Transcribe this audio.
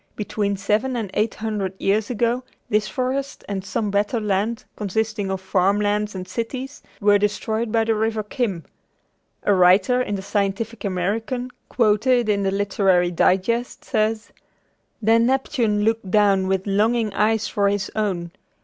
Between seven and eight hundred years ago, this forest and some better lands consisting of farm lands and cities, were destroyed by the River Chim. A writer in the Scientific American, quoted in the Literary Digest, says: "Then Neptune looked down with longing eyes for his own.